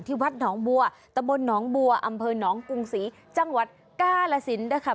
วัดหนองบัวตะบนหนองบัวอำเภอหนองกรุงศรีจังหวัดกาลสินนะคะ